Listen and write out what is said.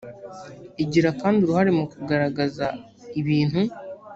igira kandi uruhare mu kugaragaza ibintu.